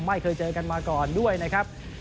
ไม่เคยเจอกันมาก่อนด้วยนะครับ